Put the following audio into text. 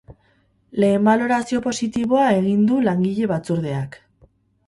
Lehen balorazio positiboa egin du langile batzordeak.